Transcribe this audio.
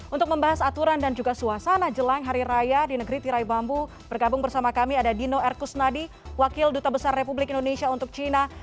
untuk membahas aturan dan juga suasana jelang hari raya di negeri tirai bambu bergabung bersama kami ada dino erkusnadi wakil duta besar republik indonesia untuk cina